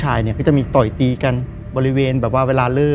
คือก่อนอื่นพี่แจ็คผมได้ตั้งชื่อเอาไว้ชื่อเอาไว้ชื่อเอาไว้ชื่อ